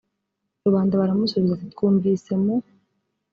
rubanda baramusubiza bati twumvise mu